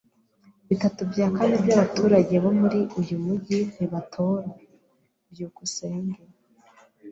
Bitatu bya kane byabaturage bo muri uyu mujyi ntibatora. byukusenge